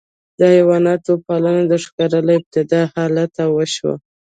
د حیواناتو پالنه د ښکار له ابتدايي حالته وشوه.